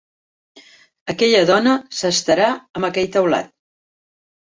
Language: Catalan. Aquella dona s'estarà en aquell teulat.